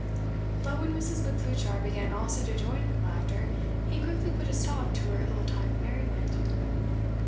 But when Mrs. Macleuchar began also to join in the laughter, he quickly put a stop to her ill timed merriment.